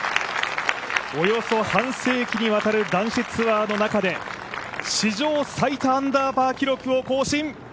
およそ半世紀にわたる男子ツアーの中で史上最多アンダーパー記録を更新。